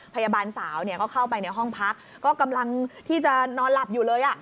พยาบาลสาวก็เข้าไปในห้องพักก็กำลังที่จะนอนหลับอยู่เลย